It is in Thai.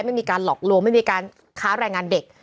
ไม่มีการหลอกลวงไม่มีการค้าแรงงานเด็ก